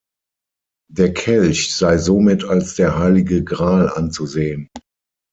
Der Kelch sei somit als der Heilige Gral anzusehen.